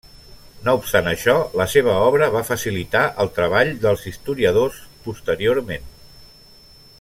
No obstant això, la seva obra va facilitar el treball dels historiadors posteriorment.